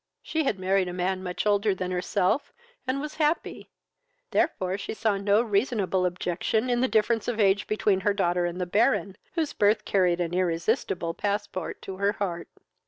She had married a man much older than herself, and was happy; therefore she saw no reasonable objection in the difference of age between her daughter and the Baron, whose birth carried an irresistible passport to her heart.